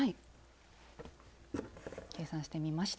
計算してみました。